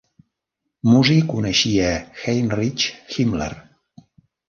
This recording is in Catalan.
Musy coneixia Heinrich Himmler.